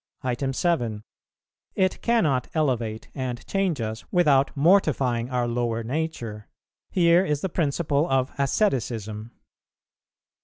7. It cannot elevate and change us without mortifying our lower nature: here is the principle of asceticism.